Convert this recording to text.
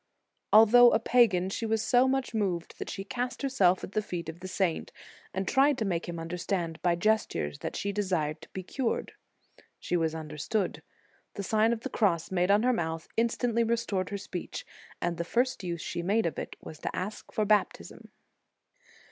Although a pagan, she was so much moved that she cast herself at the feet of the saint, and tried to make him understand by gestures that she desired to be cured. She was understood. The Sign of the Cross made on her mouth instantly restored her speech, and the first use she made of it was to ask for baptism.